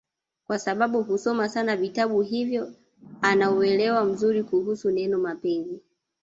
kwasababu husoma sana vitabu hivyo ana uwelewa mzuri kuhusu neno mapenzi